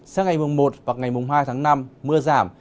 sáng ngày một và ngày hai tháng năm mưa giảm